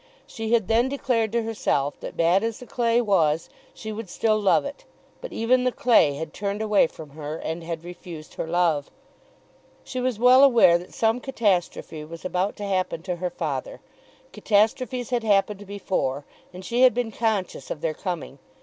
She had then declared to herself that bad as the clay was she would still love it; but even the clay had turned away from her and had refused her love! She was well aware that some catastrophe was about to happen to her father. Catastrophes had happened before, and she had been conscious of their coming.